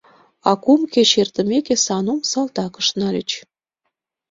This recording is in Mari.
А кум кече эртымеке, Санум салтакыш нальыч.